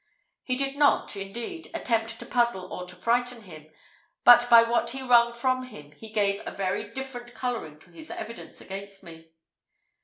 He did not, indeed, attempt to puzzle or to frighten him, but by what he wrung from him he gave a very different colouring to his evidence against me.